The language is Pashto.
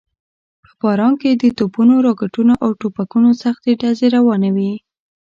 په باران کې د توپونو، راکټونو او ټوپکونو سختې ډزې روانې وې.